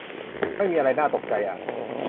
ไม่มีอะไรน่าตกใจอ่ะ